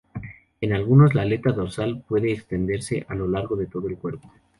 En algunos la aleta dorsal puede extenderse a lo largo de todo el cuerpo.